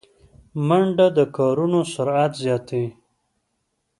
منډه د کارونو سرعت زیاتوي